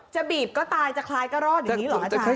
บีบก็ตายจะคล้ายก็รอดอย่างนี้เหรออาจารย์